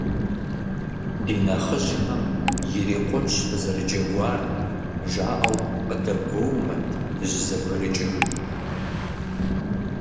Ди нэхъыжьхэм, ирикъунщ фызэрыджэгуар, жаӀэу къыдэгуоумэт дыщызэбгрыкӀыжыр.